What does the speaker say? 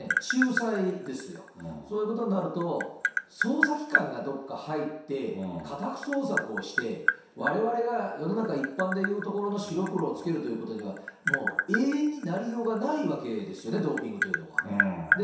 仲裁ですよ、そういうことになると、捜査機関がどこか入って、家宅捜索をして、われわれが世の中一般でいうところの白黒をつけるというところにはもう永遠になりようがないわけですよね、ドーピングというのは。